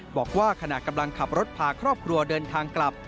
บอกว่าขณะกำลังขับรถพาครอบครัวเดินทางกลับ